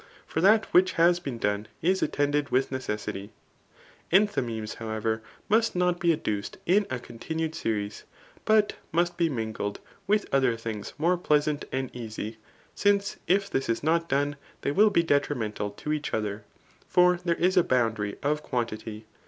For that which has been done is attended with necessity. Enthymemes, however, must not be adduced in a continued series, but must be mingled [[with other things more pleasant and easy Q since if this is not done, they will be detrimental to each other j for there is a boundary of quantity.